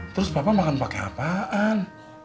terus bapak makan pakai apaan